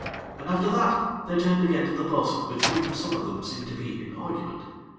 And after that they turned again to the bo'sun with whom some of them seemed to be in argument.